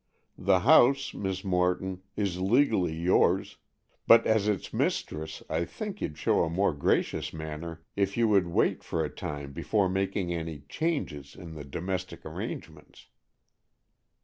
"The house, Miss Morton, is legally yours, but as its mistress, I think you'd show a more gracious manner if you would wait for a time before making any changes in the domestic arrangements."